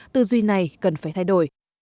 tư duy này cần phải thay đổi